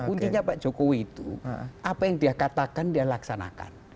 kuncinya pak jokowi itu apa yang dia katakan dia laksanakan